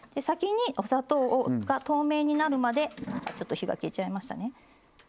先にお砂糖が透明になるまでちょっと火が消えちゃいましたね。